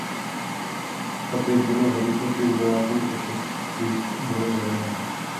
Opět bylo zabito pět vojáků a šest jich bylo zraněno.